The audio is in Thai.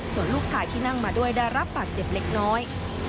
ส่วนลูกชายที่นั่งมาด้วยได้รับบาดเจ็บเล็กน้อย